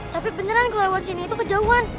tapi beneran gue lewat sini itu kejauhan